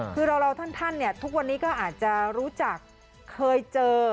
คือเราท่านเนี่ยทุกวันนี้ก็อาจจะรู้จักเคยเจอ